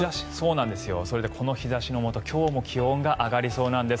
この日差しのもと、今日も気温が上がりそうなんです。